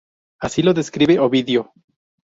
Así lo describe Ovidio.